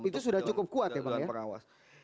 itu sudah cukup kuat ya pak ya